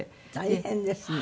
大変ですね。